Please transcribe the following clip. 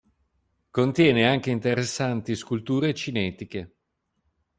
Contiene anche interessanti sculture cinetiche.